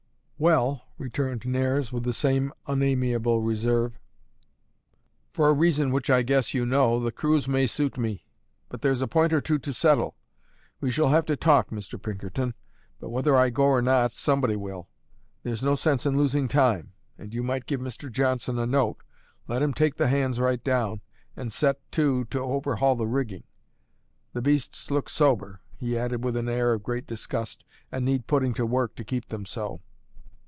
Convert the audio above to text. "Well," returned Nares, with the same unamiable reserve, "for a reason, which I guess you know, the cruise may suit me; but there's a point or two to settle. We shall have to talk, Mr. Pinkerton. But whether I go or not, somebody will; there's no sense in losing time; and you might give Mr. Johnson a note, let him take the hands right down, and set to to overhaul the rigging. The beasts look sober," he added, with an air of great disgust, "and need putting to work to keep them so."